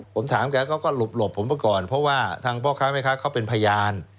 ผมถามแกเขาก็หลบผมไปก่อนเพราะว่าทางพ่อค้าแม่ค้าเขาเป็นพยาน